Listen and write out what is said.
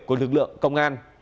của lực lượng công an